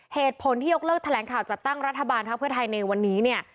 เหตุผลที่ยกเลิกแถลงข่าวจัดตั้งรัฐบาลพักเพื่อไทยในวันนี้เนี่ย